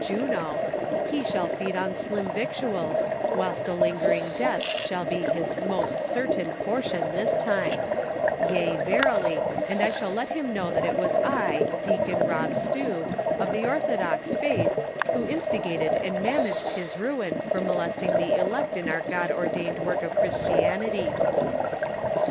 Juno, he shall feed on slim victuals, whilst a lingering death shall be his most certain portion this time ; yea, verily, and I shall let him know that it was I, — Deacon Hob Stew, — of the Orthodox Faith, who insti gated and managed his ruin for molesting the elect in their God ordained work of Christianity."